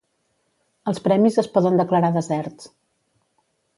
Els premis es poden declarar deserts.